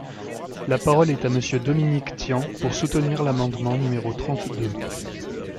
La parole est à Monsieur Dominique Tian, pour soutenir l’amendement numéro trente-deux.